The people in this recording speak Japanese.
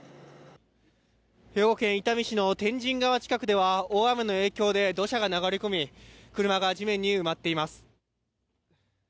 兵庫県伊丹市の天神川近くでは、大雨の影響で、土砂が流れ込み、車が地面に埋まっています。